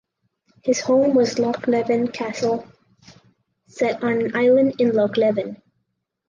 His home was Lochleven Castle set on an island in Loch Leven.